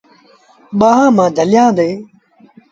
ٻآݩهآݩ مآݩ جھليآݩدي۔